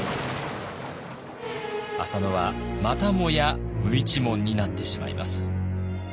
浅野はまたもや無一文になってしまいます。